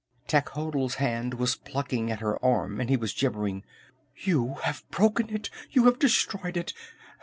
Techotl's hand was plucking at her arm and he was gibbering: "You have broken it! You have destroyed it!